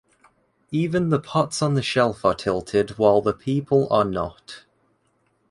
Even the pots on the shelf are tilted while the people are not.